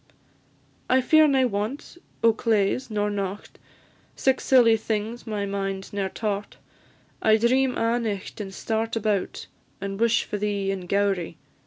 "I fear nae want o' claes nor nocht, Sic silly things my mind ne'er taught; I dream a' nicht, and start about, And wish for thee in Gowrie.